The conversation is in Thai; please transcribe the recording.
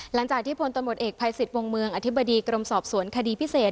หลังจากที่พลตำรวจเอกภัยสิทธิ์วงเมืองอธิบดีกรมสอบสวนคดีพิเศษ